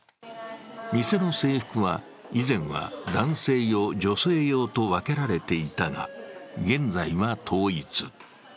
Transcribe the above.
店の制服は、以前は男性用女性用と分けられていたが、現在は統一。